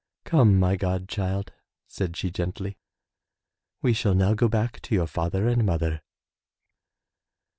"Come, my god child,'* said she gently, we shall now go back to your father and mother